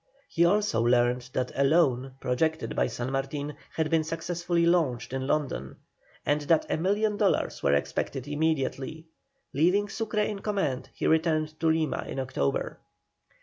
He also learned that a loan, projected by San Martin, had been successfully launched in London, and that a million dollars were expected immediately. Leaving Sucre in command, he returned to Lima in October.